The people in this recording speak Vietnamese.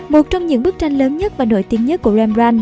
một trong những bức tranh lớn nhất và nổi tiếng nhất của rembrand